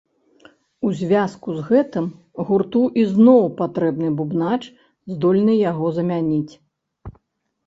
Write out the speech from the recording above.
У звязку з гэтым гурту ізноў патрэбны бубнач, здольны яго замяніць.